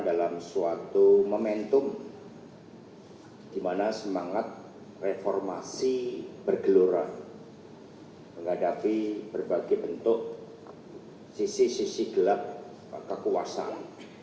dalam suatu momentum di mana semangat reformasi bergelora menghadapi berbagai bentuk sisi sisi gelap kekuasaan